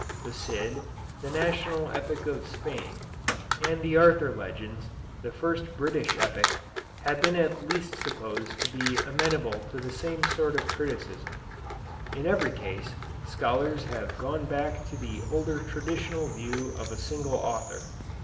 The Cid, the national epic of Spain, and the Arthur Legends, the first British epic, have been at least supposed to be amenable to the same sort of criticism. In every case, scholars have gone back to the older traditional view of a single author.